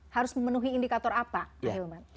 harus memenuhi indikator apa